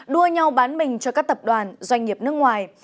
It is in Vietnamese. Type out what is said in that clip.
đua nhau bán mình cho các tập đoàn doanh nghiệp nước ngoài